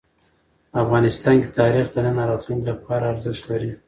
افغانستان کې تاریخ د نن او راتلونکي لپاره ارزښت لري.